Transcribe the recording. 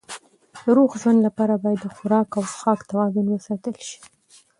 د روغ ژوند لپاره باید د خوراک او څښاک توازن وساتل شي.